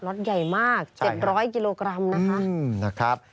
รถใหญ่มาก๗๐๐กิโลกรัมนะครับ